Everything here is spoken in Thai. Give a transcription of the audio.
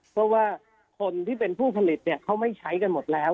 เพราะว่าคนที่เป็นผู้ผลิตเนี่ยเขาไม่ใช้กันหมดแล้ว